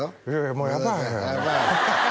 もうやばいよ